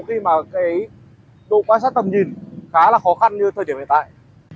khi mà cái độ bán sắt tầm nhìn khá là khó khăn như thời điểm hiện tại